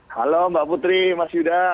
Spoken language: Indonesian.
halo mbak putri mas yuda